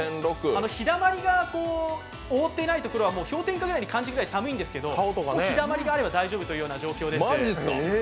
ひだまりが覆っていないところは氷点下に感じるぐらい寒いんですけどひだまりがあれば大丈夫という状況です。